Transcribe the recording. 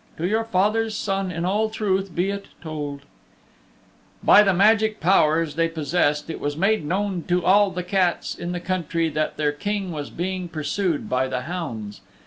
"To your father's Son in all truth be it told " By the magic powers they possessed it was made known to all the cats in the country that their King was being pursued by the hounds.